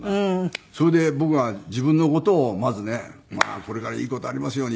それで僕が自分の事をまずねこれからいい事ありますようにみたいな